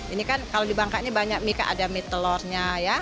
ini kan kalau di bangka ini banyak mie kak ada mie telurnya ya